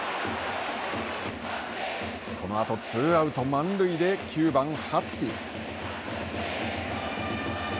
このあとツーアウト、満塁で９番羽月。